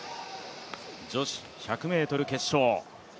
女子１００ｍ決勝。